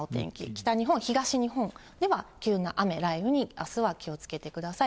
北日本、東日本では急な雨、雷雨にあすは気をつけてください。